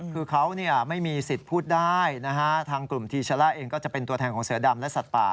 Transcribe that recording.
คือเขาไม่มีสิทธิ์พูดได้นะฮะทางกลุ่มทีชะล่าเองก็จะเป็นตัวแทนของเสือดำและสัตว์ป่า